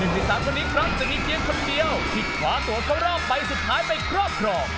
ใน๓คนนี้ครับจะมีเพียงคนเดียวที่คว้าตัวเข้ารอบใบสุดท้ายไปครอบครอง